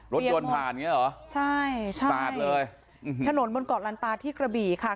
รถยนต์ผ่านใช่ใช่ชาติเลยถนนบนเกาะลัลตาที่กระบีค่ะ